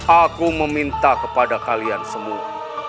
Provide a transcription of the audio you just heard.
aku meminta kepada kalian semua